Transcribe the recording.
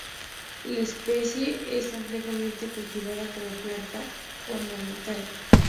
La especie es ampliamente cultivada como planta ornamental.